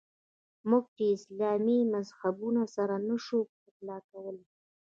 موږ چې اسلامي مذهبونه سره نه شو پخلا کولای.